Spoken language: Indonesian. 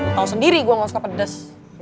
lo tau sendiri gue gak suka pedas